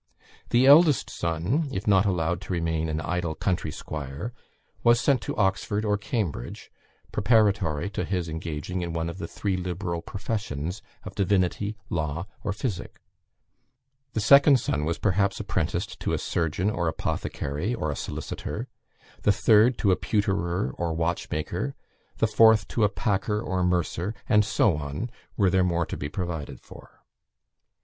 The eldest son, if not allowed to remain an idle country squire, was sent to Oxford or Cambridge, preparatory to his engaging in one of the three liberal professions of divinity, law, or physic; the second son was perhaps apprenticed to a surgeon or apothecary, or a solicitor; the third to a pewterer or watchmaker; the fourth to a packer or mercer, and so on, were there more to be provided for.